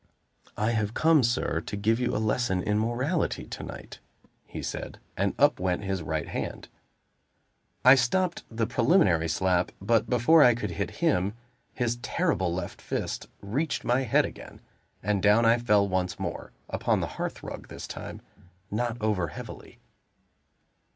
"I have come, sir, to give you a lesson in morality to night," he said; and up went his right hand. I stopped the preliminary slap, but before I could hit him, his terrible left fist reached my head again; and down I fell once more upon the hearth rug this time not over heavily.